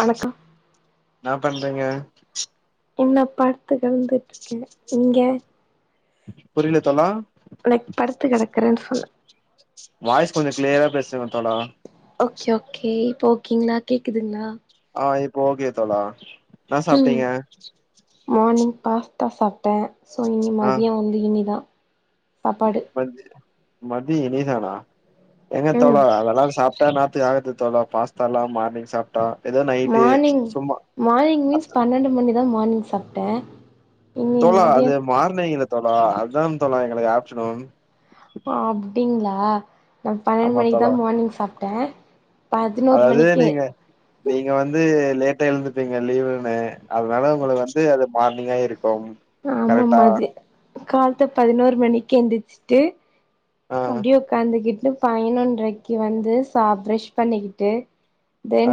வணக்க இன்னா பண்றீங்க என்ன பாத்து கெலம்பிட்ருக்கே நீங்க புரில தோழா அன்னைக் படத்து கெடக்குறேன் சொன்ன வாய்ஸ் கொஞ்ச கிளியரா பேசுங்க தோழா ஓகே ஓகே இப்போ ஓகேங்களா கேக்குதுங்களா அ இப்போ ஓகே தோழா இன்னா ம் சாப்ட்டீங்க மார்னிங் பாஸ்தா சாப்ட்டே சோ இனி ஆ மதியோ வந்து இனிதா சாப்பாடு மதி மதிய இனி தானா ஏங்க ம் தோழா அதெல்லா சாப்ட்டா நா த்து ஆகுறது தோழா பாஸ்தால்லா மார்னிங் சாப் டா ஏதோ நை மார்னிங் மார்னிங் மீன்ஸ் பன்னெண்டு மணி தா மார்னிங் சாப்ட்டே இனி தோழா மதியோ அது மார்னிங் இல்ல தோழா அதா தோழா எங்களுக்கு ஆப்டனுன் அ அப்டிங்ளா நா பன்னெண்டு ஆமா மணிக் தா மார்னிங் சாப்ட்டே பதினோரு அதாவ்து மணிக்கு நீங்க நீங்க வந்து லேட்டா எழுந்துப்பீங்க லீவுனு அதனால உங்கள வந்து அது மார்னிங்கா இருக்கும் ஆமா கரெக்டா மதி கால்த்த பதினொரு மணிக்கு எந்திச்சிட்டு ஆ அப்டியே உக்காந்துகிட்டு பய்னொன்ரைக்கி வந்து சா பிரஷ் பண்ணிக்கிட்டு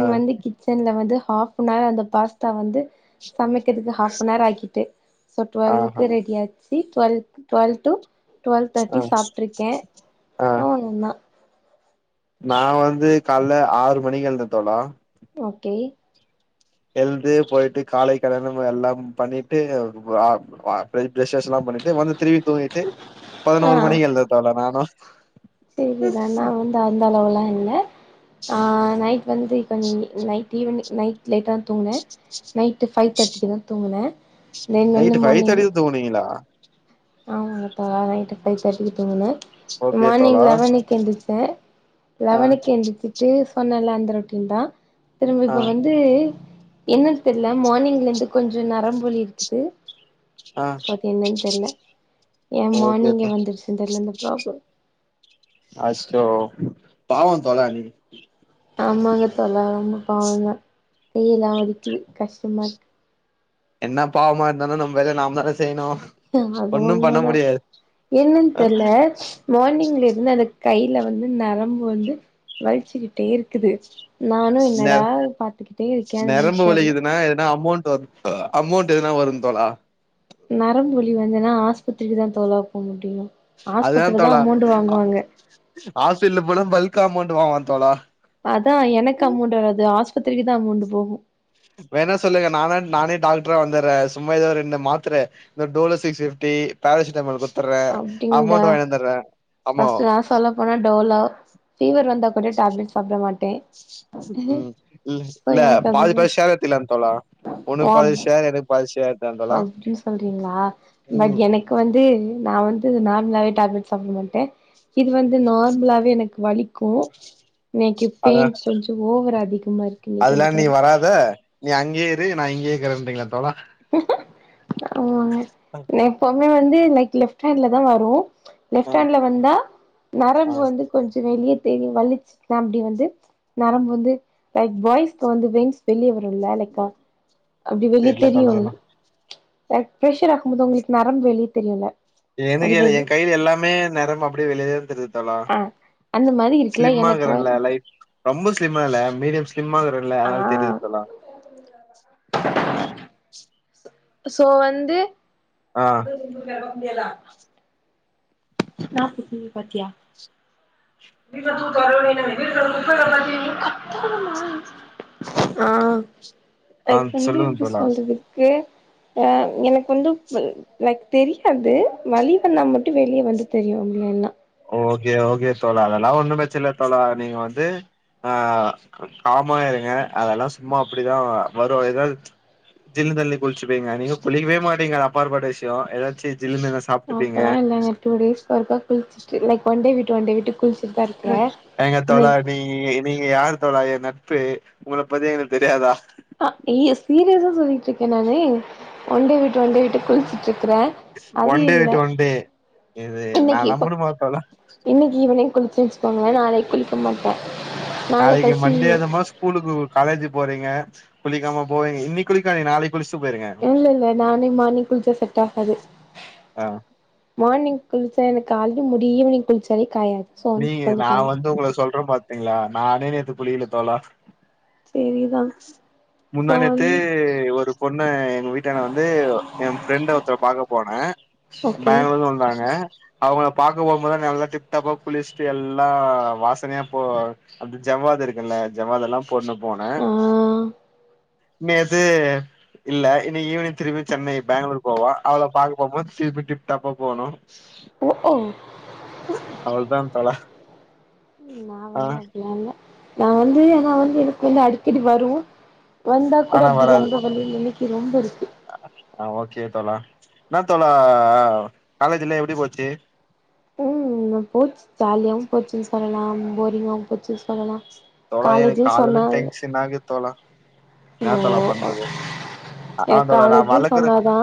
ஆ வந்து கிச்சன்ல வந்து ஹாஃப்னர் அந்த பாஸ்தா வந்து சமைக்கிறது ஹாஃப்பனர் ஆக்கிட்டு சோ ஆஹா டுவெல்க்கு ரெடி ஆச்சி டுவெல் டுவெல் டு டுவெல் தேட்டி ஆ சாப்ட்ருக்கே ஆ அவ்ளோ தா நா வந்து கால்ல ஆறு மணிக்கு எழ்ந்த தோழா ஓகே எழ்ந்து போயிட்டு காலை கடனும் எல்லா பண்ணிட்டு அ அ பேய் ப்ரெஷ்ஷஸ்லா பண்ணிட் டு வந்து திருவி தூங்கிட்டு பத்னோரு மணிக்கு எழ்ந்த தோழா நானு செரிங்க நா ரா வந்து அந்த அந்தளவுலா இல்ல ஆ நைட் வந்து கொஞ் நைட் ஈவினங் நைட் லேட்டாதா தூங்ன நைட்டு ஃபைவ் தேட்டிக்கு தா தூங்கின நைட்டு ஃபைவ் தேர்டிகுதா தூங்னீங்ளா ஆமாங்க தோழா நைட்டு ஃபைவ் தேர்ட்டிக்கு தூங்னே ஓகே மார்னிங் தோழா லெவனுக்கு எந்திச்ச ஆ லெவனுக்கு எந்திச்சி டெய்லி சொன்னல அந்த ரொட்டின் தா திரும்ப ஆ இப்ப வந் து என்னன் தெர்ல மார்னிங்லந்து கொஞ்ச நரம்புவலி இருக்குது ஆ சோ அது என்னன் தெர்ல ஏ ஓகே ஓகே மார்னிங்கே வந்துருச்சுன்னு தெர்ல இந்த ப்ராப்ளம் அச்சோ பாவ தோழா நீ அம்மாங்க தோழா ரொம்ப பாவந்தா கையிலா வலிக்குது கஷ்டமார்க்கு என்ன பாவமா இருந்தானு நம் வேலைய நாம தான செய்ணு அது உண்மதா என்னன் தெர்ல மார்னிங்ல இருந்து அந்த கைல வந்து நரம்பு வந்து வல்ச்சுக்கிட்டே இர்க்குது நெர இருக்கே அது வந்து நெரம்பு தெர்ல வலிக்குதுனா எதுன்னா அமௌண்ட் வரு அமௌண்ட் எதனா வரு தோழா நரம்பு வலி வந்துனா ஆஸ்பத்திரிக்கு தா தோழா போ முடியு ஆஸ்பத்திரி தா அமௌண்டு வாங்குவாங்க ஆஸ்பிட்லு போனா பல்க்கா அமௌண்ட் வாங்குவா தோழா அதா எனக்கு அமௌண்ட் வராது ஆஸ்பத்திரிக்கு தா அமௌண்டு போகு வேணா சொல்லுங்க நானா நானே டாக்ட்ரா வந்துற்றே சும்ம எதோ ஒர் ரெண்டு மாத்ர இந்த டோலோ சிக்ஸ் பிப்டி பேரசிட்டாமால் குத்துர்றே அப்டின்டா அமௌண்டு வாங்கந்துற்றே அமௌ ஃபர்ஸ்ட் நா சொல்ல போனா டோலோ ஃபீவர் வந்தா கூட டேப்லெட் சாப்ட மாட்டே ம் இல்ல சோ இல்ல எனக்கு பாதி அதுவே பாதி ஷேர் எத்துகில தோழா உனுக் பாதி ஷேர் எனக் பாதி ஷேர் எடுத்துக்கலாம் தோழா அப்டி சொல்றீங்ளா பட் ம் எனக்கு வந்து நா வந்து நார்மலாவே டேப்லெட் சாப்ட மாட் ட இது வந்து நார்ம்லாவே எனக்கு வலிக்கு இன்னைக்கி பெயின் கொஞ்ச ஓவரா அதிக அதுலா நீ வராத நீ அங்யே இரு நா இங்யேகிறன்றீங்ளா தோழா ஆமாங்க நா எப்பவுமே வந்து லைக் லெஃப்ட் ஹேண்ட்ல தா வரு ஆ லெஃப்ட் ஹாண்ட்ல வந்தா ஆ நெரம்பு வந்து கொஞ்சோ வெளியத் தெரியு வலிச்சுதேம் அப்டி வந்து நரம்பு வந்து லைக் பாய்ஸ்க்கு வந்து வென்ஸ் வெளியே வருல்ல லைக்கா அப்டி வெளித் சொல்லதெல்லா ரைக் பிரெஷர் ஆகும் போது ஒங்ளுக் நரம்பு வெளியித் தெரியுல எனுகு எலே எங் கைல எல்லாமே நரம் அப்டியே வெளியேதான் தெரித் தலா ஆ அந்த மாரி இருக்குல்ல எனக்கு வ ஸ்லிம்மாகிறல்ல லைஃப் ரொம்ப ஸ்லிம்மா இல்ல மீடியம் ஸ்லிம்மா இகறல்ல ஆ அதனால் தெரிது தோழா மே சோ வந்து ஆ [unintelligible] நா [unintelligible] நீ பாத்தியா கத்தாத மா மா ஆ ஆ லைக் வந்து சொல்லுங்க எப்டி தோழா சொல்றதுக்கே அ எனக்கு வந்து பில் லைக் தெரியாது வலி வந்தா மட்டு வெளிய வந்துத் தெரியு அப்டி வேண்ணா ஓகே ஓகே தோழா அதெல்லா ஒன்னும் பிரச்ச இல்ல தோழா நீங்க வந்து ஆ காமா இருங்க அதெல்லா சும்மா அப்டிதா வரு எகெல் ஜில்லு தள்ளி குளிச்சுப்பீங்க நீங்க குளிக்கவே மாட்டிங்க அது அப்பார்பட்ட விஷ்யோ எதாச்சி ஜில்லுனு எதாச் அப்பலா இல்லங்க டூ டேஸ்கு ஒருக்கா குளிச்சுட்டு லைக் ஒன் டே விட்டு ஒன் டே விட்டு குளிச் எங்கத் தோழாட் நீ நீங்க யாருத்தோழா எ நட்பு உங்கள பத்தி எங்களுக் தெரியாதா ஆ இ சீரியஸா சொல்லிட்ருக்கே நானு ஒன் டே விட்டு ஒன் டே விட்டு குளிச்சுட்ருக்கறே ஒன் டே விட்டு ஒன் டே இது நா நம்புனுமா தோழா இன்னைக்கி ஈவினிங் குளிச்சு வெச்சுக்கோங்களே நாளைக் குளிக்க மாட்டே நாளைக் கழ்ச்சி கூலுக்கு காலேஜூ போறீங்க குளிக்காம போவீங்க இன்னிக் குளிக்காதிங்க நாளைக் குளிச்ட்டு போயிருங்க இல்ல இல்ல நானே மார்னிங் குளிச்சா செட்டாகாது ஆ மார்னிங் குளிச்சா எனக்கு ஆலெடி முடி ஈவினிங் குளிச்சாலேக் காயாது சோ வந்து நீக கொஞ்சோ நா டைம் வந்து உங்கள சொல்றேம் பாத்தீங்ளா நானே நேத்து குளிகலத் தோழா செரிதா சோ வந் முந்தானேத்து ஒருப் பொண்ண எங்க வீட் ட்டான வந்து எ ஃபிரெண்ட ஒருத்தரப் பாக்க போனே ஓகே பெங்களூலந்து வந்தாங்க அவுங்களப் பாக்க போம்போது நல்லா டிப் டாப்பாப் குளிச்ட்டு எல்லா வாசனையா போ அப்டி ஜவ்வாது இருக்குல்ல ஜவாதெல்லாம் போட்னு போனே ஆ நேத்து இல்ல இன்னி கி ஈவினிங் திருபி சென்னை பெங்களூர் போவோ அவளப் பாக்க போம்போது திருப்பி டிப்டாப்பா போணு உ ஓ அவுள்தான் ஓகே நா வந்து அப்பிலா இல்ல நா வந்து எனா வந்து எனக்கு வந்து அடிக்கடி வரு வந்தாக் கூட ஆனா அப்டி வராது. ரொம்ப வலி நெனைக்கி ரொம்ப இருக்கு ஆ ஓகே தோழா இன்னாத் தோழா காலேஜூலா எப்டி போச்சி ம்ன போச்சு ஜாலியாவும் போச்சுன் சொல்லலாம் போரிங்காவும் போச்சுன் சொல்லலா தோழா எனக் காலேஜுன்னு கால்லந்து சொன்னா டென்ஷனாகுத் தோழா ஓ எனாத் தோழாப் பண்றது அ எ ஆ தோழா நா காலேஜே வளக்குற சொன்னாதா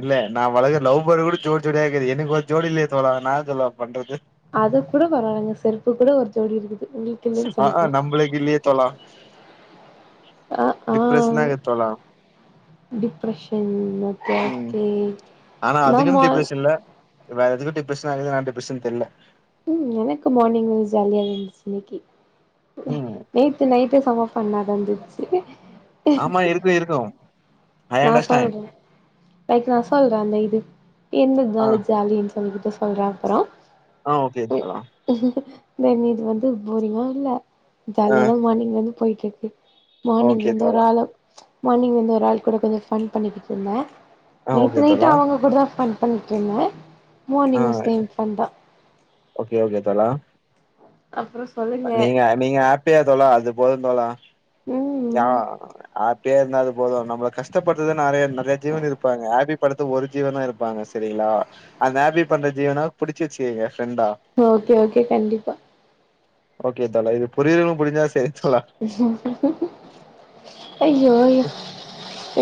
இல்ல நா வளகுற லவ் பர்டு கூட ஜோடி ஜோடியா இகுது எனுகு ஒரு ஜோடி இல்லையேத் தோழா நாத் தோழா பண்றது அதுக் கூட பரவாலங்க செருப்புக் கூட ஒரு ஜோடி இருகுது உங்ளுக் ஆ அ நம்பளுக்கு இல்லயே தோழா ஆ டிப்ரஷுனா இர்க்கே தோழா டிப்ரெஷன் ஓகே ம் ஓகே ஆனா இன்ன அதுக்குன்னு மார் டிப்ரஷன் இல்ல வேற எதுக்கு டிப்ரஷன் ஆகுது நான் டிப்ரஷன் தெர்ல ம் எனக்கு மார்னிங் ஜாலியா இருந்துச்சு இன்னைக்கி ம் நேத்து நை ட்டு சம ஃபன்னாதா இருந்துச்சு ஆமா இருக்கு இருக்கு ஐ நான் சொல்ற அண்டர்ஸ்டாண்ட் எதுக்கு நா சொல்ற அந்த இது ஆ இர்ந்ததுனால ஜாலின் உங்ககிட்ட சொல்ற அப்புறோ ஆ ஓகே ஓகேதா தென் இது வந்து போரிங்கா இல்ல ஆ ஜாலியாதான் மார்னிங்ல இருந்து போய்ட்ருக்கு மார்னிங்ல ஓகே இருந்து ஒரு தோழா ஆளு மார்னிங் வந்து ஒரு ஆளு கூட கொஞ்சோ ஃபன் பண்ணிகிட்டிருந்த ஆ ஓகே நேத்து நைட் தோழா அவங்க கூடதா ஃபன் பண்ணிட்ருந்த ஆ மார்னிங்கு சேம் ஃபன்தா ஓகே ஓகே தோழா அப்புறோ சொல்லுங்க நீங்க நீங்க ஹாப்பியா தோழா அதுபோது தோழா யா ம் ஹாப் பியா இருந்தா அதுபோது நம்மள கஷ்டப்படுத்துதா நெறைய நெறைய ஜீவன் இருப்பாங்க ஹாப்பி படுற ஒரு ஜீவன்தா இருப்பாங்க சரிங்ளா அந்த ஹாப்பி பண்ற ஜீவன புடிச்சு வச்சுக்கிங்க ஃப்ரெண்டா ஓகே ஓகே கண்டிப்பா ஓகே தோழா இது புரிறவ்ங்க புரிஞ்சா சரி தோழா ம் ஐயோ ஐயோ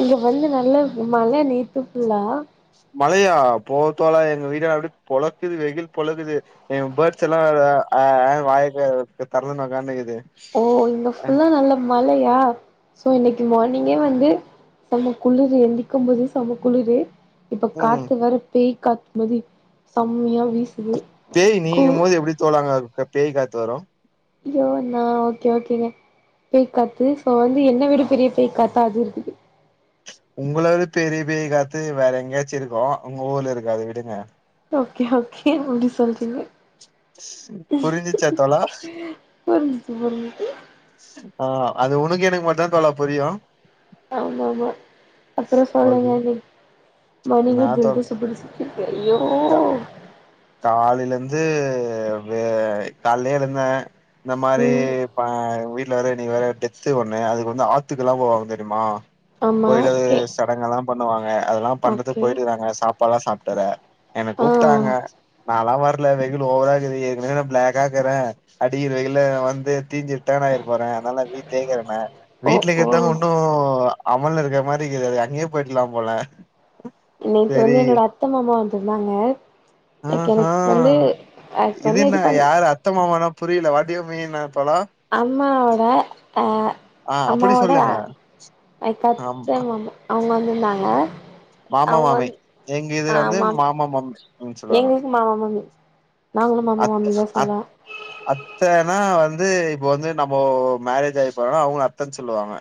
இங்க வந்து நல்லா மழ நேத்து ஃபுல்லா மழையா போத்தோழா எங்க வீட்லா அப்டி பொழக்குது வெயில் பொழக்குது எங்க பேர்ட்ஸெல்லா வேற ஆ ஆன்னு வாய தெற தெறந்துன் ஒக்காந்துக்குது ஓ இங்க ஃபுல்லா நல்ல மழையா சோ இன்னைக்கு மார்னிங்கே வந்து சம குளிரு எந்திக்கும்போதே சம குளுரு இப்ப ம் காத்து வேற பேய் காத்துமாரி சம்மையா வீசுது பேய் கூ நீங்கிருக்மோது எப்டி தோழா அங்க க பேய் காத்து வரு ஐயோ நா ஓகே ஓகேங்க பேய் காத்து சோ வந்து என்ன விட பெரிய பேய்க்காத்த அது இருக்குது உங்குளது பெரிய பேய் காத்து வேற எங்க்யாச்சு இருக்கு உங்க ஊர்ல இருக்காது விடுங்க ஓகே ஓகே அப்டி சொல்றீங்க புரிஞ்சிச்சா தோழா புரிஞ்சிச்சு புரிஞ்சிச்சு ஆ அது உனக்கு எனக்கு மட்டுதா தோழா புரியு ஆமா ஆமா அப்புறோ ஓகே சொல்லுங்க நீங் மார்னிங் நா இர்ந்த தொ நிகழ்ஸ ஃபுல்ஸ் என்க்கு ஐயோ காலைலர்ந்து வே கால்லே எழுந்த இந்த மாரி ம் பா வீட் வேற இன்னிக் வேற டெத்து ஒன்னு அதுக் வந்து ஆத்துக்குலா போவாங்க தெரிமா ஆமா போய்ட்டு அது ஓகே சடங்கெலா பண்ணுவாங்க அதெல்லா பண்றதுக் ஓகே போய்ட்டிருக்குறாங்க சாப்பாட்லா சாப்ட்வற என்ன ஆ கூப்ட்டாங்க நான்லா வர்ல வெயிலு ஓவரா இர்க்குது ஏற்கனவே நா பிளாகக்கா இர்க்குற அடிக்ற வெயில நா வந்து தீஞ்சுர் டேனாய்ர்போற அதுனால நா வீட்லே இர்க்கிறன ஓ வீட்ல ஓ இகிர்தானு ஒன் னு அவன்ல இருக்ற மாரிக்குது அது அங்யே போயிர்க்லா போல நேத்து வந்து செரி என்னோட அத்த மாமா வந்துர்ந்தாங்க ஆஹா இது வந்து என்ன பண் யாரு அத்த மாமானா புரில வாட்டுயு மீன் அப்பலா அம்மாவோட அ ஆ அப்டி அம்மாவோடக் அ சொல்லுங்க அய்க்கத்த ஆமா மாமா அவுங்க வந்துருந்தாங்க மாமா அவுங்க மாமி வந்து எங்க இதுல வந்து ஆமா மாமா மாமின்னு சொல்லுவாங்க எங்க மாமா மாமி நாங்களு மாமா அத்த மாமிந்தா அத் சொல்லுவோ அத்தனா வந்து இப்போ வந்து நம்மோ மேரேஜ் ஆகிப்பறனா அவுங்கல அத்தன் சொல்லுவாங்க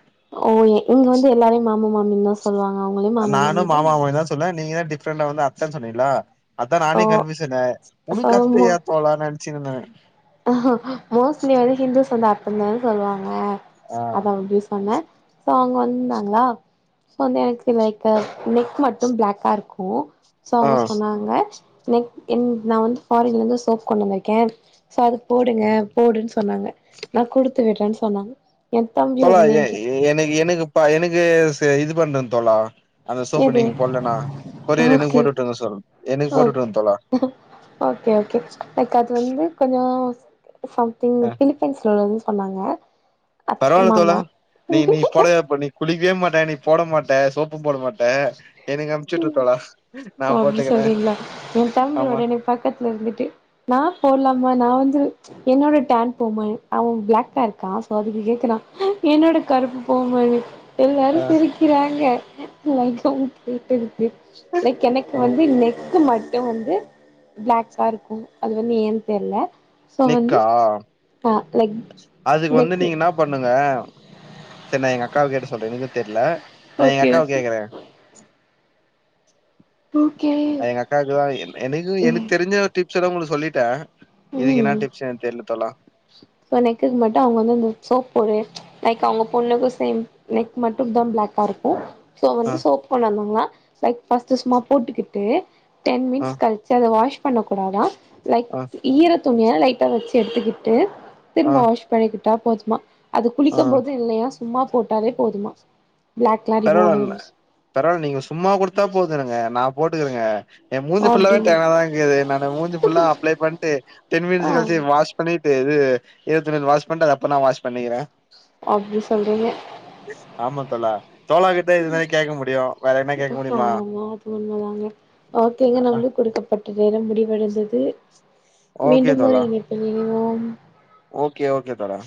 ஓ இங்க வந்து எல்லாரையு மாமா மாமின் சொல்லுவாங்க அவுங்களையு மாமா மாமிந்தா இவு சொன்ன நீங்கதா டிப்ரெண்டா வந்து அத்தன் சொன்னீங்ளா அதா சோ நானே கன்பியூசன்னாய்ட்ட ஒனக்கு சோ அத்தயா தோனா நெனைச்சினுந்த மோஸ்ட்லி வந்து ஹிந்துஸ் வந்து அத்தந்தான சொல்வாங்க ஆ அதா அப்டி சொன்ன சோ அவுங்க வந்துந்தாங்ளா சோ வந்து எனக்கு லைக் அ நெக்கு மட்டு பிளாக்கா இருக்கும் சோ ஆ அவுங்க சொன்னாங்க நெக் என் நா வந்து ஃபாரின்லருந்து சோப் கொண்டு வந்தருக்கே சோ அது போடுங்க போடுன் சொன்னாங்க நா குடுத்து விடுறேன் சொன்னாங்க எ தம்பி தோழா ஒடனே எ என்கி எனக்கு எனக்கு ப எனக்கு இது பண்ற தோழா அந்த சோப்பு எது நீங்க போட்லனா கொரியர் எனக்கு ஓகே போட்டு உட்டுருங்கு சொ எனக்கு ஓ போட்டு விட்டுர்ங்க தோழா ஓகே ஓகே லைக் அது வந்து கொஞ்சோ சவுக் பின் அ பிலிப்பைன்ஸ்ல உள்ளதுன் சொன்னாங்க அத்த மாமா பே பண்ணி குளிக்கவே மாட்ட நீ போட மாட்ட சோப்பு போட மாட்ட எனக்கு அமிச்சுட்டுரு தோழா நா ஓ அப்டி போட்டுக்கறே சொல்றீங்களா என் தம்பி ஆமா ஒடனே பக்கத்துல இருந்துட்டு நா போட்லாமா நா வந்து என்னோட டேண் போமா அவ பிளாக்கா இருக்கா சோ அதுக்கு கேக்குறா என்னோட கருப்புபோமானு எல்லாரு அ சிரிக்கிறாங்க லைக் அவ கேட்டதுக்கு லைக் எனக்கு அ வந்து இன்னெ நெக்கு மட்டும் வந்து பிளக்காருக்கும் அது வந்து ஏன் தெர்ல சோ வந்து நெக்கா ஆ நெக் அதுக்கு வந்து நீங்க என்னாப் பண்ணுங்க சரி நா எங்க அக்காவ கேட்டு சொல்ற எனக்கு தெர்ல நா எங்க ஓகே அக்காவ கேக்ற ஓகே அ எங்க அக்காவுக்குதா எனக்கு ஓகே எனக்கு தெரிஞ்ச டிப்ஸ்ல்லா ஒங்ளுக்கு சொல்லிட்ட இதுக்கு என்னா டிப்ஸ் எனக் தெர்ல தோழா சோ நெக்குக்கு மட்டு அவுங்க வந்து இந்த சோப் ஒரு லைக் அவுங்க பொண்ணுக்கூ சேம் நெக் மட்டுந்தா பிளாக்கா இருக்கூம் சோ அ வந்து சோப்பு கொண்டு வந்தாங்களா லைக் ஃபஸ்ட்டு சும்மா போட்டுக்கிட்டு டென் அ மினிட்ஸ் கழிச்சு அத வாஷ் பண்ண கூடாதா லைக் அ ஈர துணிய லைட்டா வச்சு எடுத்துக்கிட்டு அ திரும்ப வாஷ் பண்ணிக்கிட்டா போதுமா அது அ குளிக்கும் போது இல்லயா சும்மா போட்டாலே போதுமா பிளாக்லா ரிமூவ் பரவால்ல ஆயிரு பரவால நீங்க சும்மா குடுத்தா போதுனுங்க நா போட்டுகெவேங்க ய மூஞ்சி ஃபுல்லாவே அப்டின் டேனாதாருக்குது நா மூஞ்சி ஃபுல்லா அப்ளை பண்ணிட்டு டென் ஆ மினிட்ஸ் கழிச்சி வாஷ் பண்ணிட்டு இது ஈர துணில வாஷ் பண்ட்டு அத அப்பறனா வாஷ் பண்ணிக்கிறே அப்டி சொல்றீங்க ஆமா தோழா தோழா கிட்ட இதுதானே கேக்க முடியு வேற என்ன கேக்க முடியுமா ஆமாமா அது உண்மதாங்க ஓகேங்க நம்மளுக் குடுக்கப்பட் இதுவரை முடிவடைந்தது ஓகே மீண்டும் ஒரு தோழா இணைப்பில் இனைவோம் ஓகே ஓகே தோழா